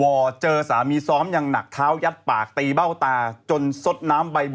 ก็ใหม่รัชดาก็ไปปอมวินิตก็ไป